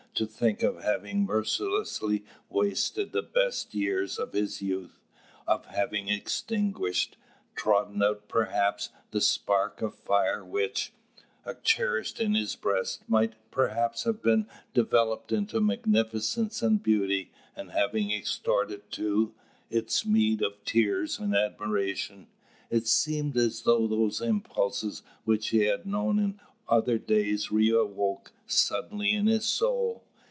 to think of having mercilessly wasted the best years of his youth, of having extinguished, trodden out perhaps, that spark of fire which, cherished in his breast, might perhaps have been developed into magnificence and beauty, and have extorted too, its meed of tears and admiration! It seemed as though those impulses which he had known in other days re awoke suddenly in his soul.